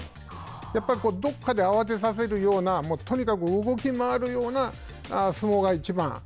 やっぱりどこかで慌てさせるようなとにかく動き回るような相撲がいちばん。